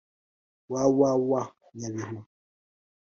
www nyabihu